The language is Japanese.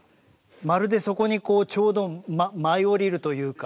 まるでそこにこうちょうど舞い降りるというか。